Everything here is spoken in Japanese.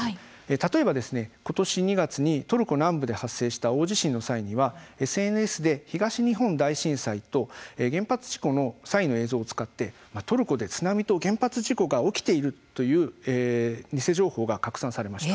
例えば今年２月にトルコ南部で発生した大地震の際にはＳＮＳで東日本大震災と原発事故の際の映像を使ってトルコで津波と原発事故が起きているという偽情報が拡散されました。